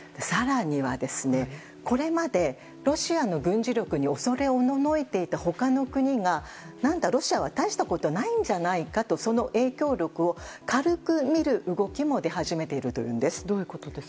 更には、これまでロシアの軍事力に恐れおののいていた他の国が何だ、ロシアは大したことないんじゃないかとその影響力を軽く見る動きも出始めているというんです。